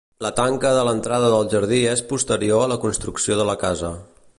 La tanca de l'entrada del jardí és posterior a la construcció de la casa.